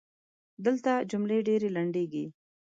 دلته جملې ډېري لنډیږي.